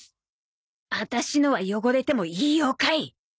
ワタシのは汚れてもいい用かい。